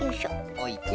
おいて。